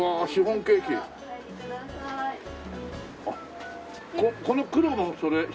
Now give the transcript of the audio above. あっこの黒のそれ。